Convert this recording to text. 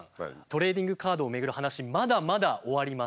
トレーディングカードを巡る話まだまだ終わりません。